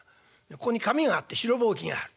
ここに紙があって棕櫚ぼうきがある。